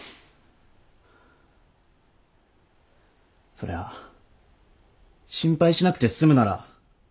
そりゃ心配しなくて済むなら。